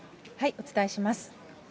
お伝えします。